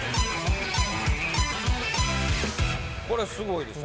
これすごいですよ。